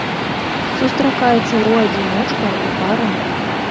Сустракаецца ў адзіночку або парамі.